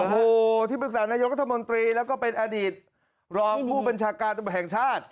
โอ้โหที่ปรึกษานายกรัฐมนตรีแล้วก็เป็นอดีตรองผู้บัญชาการตำรวจแห่งชาติ